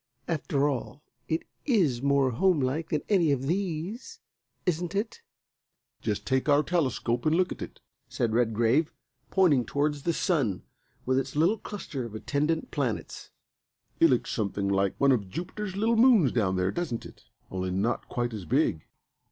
After all, it is more homelike than any of these, isn't it?" "Just take our telescope and look at it," said Redgrave, pointing towards the Sun, with its little cluster of attendant planets. "It looks something like one of Jupiter's little moons down there, doesn't it, only not quite as big?"